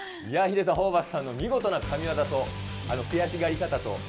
いや、ヒデさん、ホーバスさんの見事な神業と、あの悔しがり方と。